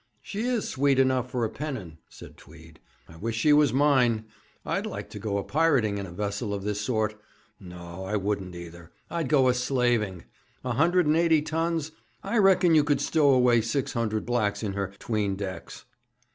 'She is sweet enough for a pennon,' said Tweed. 'I wish she was mine. I'd like to go a pirating in a vessel of this sort. No, I wouldn't, either; I'd go a slaving. A hundred and eighty tons. I reckon you could stow away six hundred blacks in her 'tween decks.'